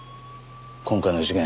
今回の事件